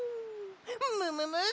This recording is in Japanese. むむむ！？